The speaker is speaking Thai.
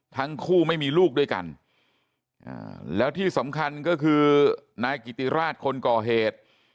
ทั้งคู่ไม่มีลูกด้วยกันแล้วที่สำคัญก็คือนายกิติราชคนก่อเหตุ